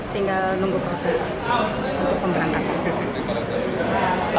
tinggal nunggu proses untuk pemberangkatan